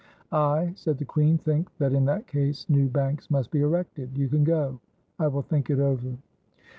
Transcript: "I," said the queen, "think that in that case new banks must be erected. You can go. I will think it over."